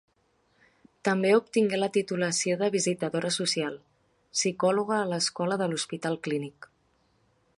També obtingué la titulació de visitadora social, psicòloga a l’Escola de l’Hospital Clínic.